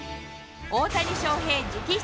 大谷翔平直筆